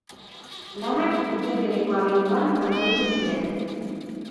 Lanak urte bereko abenduan amaitu ziren.